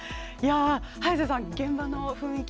早瀬さん、現場の雰囲気